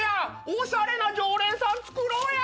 おしゃれな常連さんつくろうや。